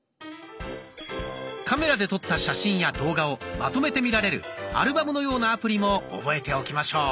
カメラで撮った写真や動画をまとめて見られるアルバムのようなアプリも覚えておきましょう。